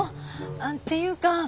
っていうか